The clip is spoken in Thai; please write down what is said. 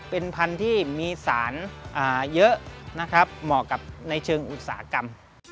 เป็นพันธุ์ที่มีสารเยอะนะครับเหมาะกับในเชิงอุตสาหกรรม